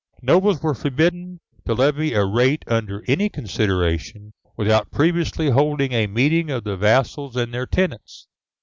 Nobles were forbidden to levy a rate under any consideration, without previously holding a meeting of the vassals and their tenants.